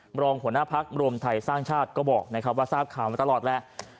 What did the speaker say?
รองหัวหน้าพักรวมไทยสร้างชาติก็บอกนะครับว่าทราบข่าวมาตลอดแหละ